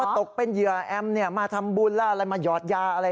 ว่าตกเป็นเหยื่อแอ้มมาทำบุญมาหยอดยาอะไร